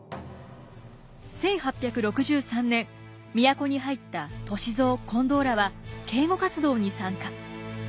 １８６３年都に入った歳三近藤らは警護活動に参加。